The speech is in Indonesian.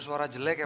itu salah satu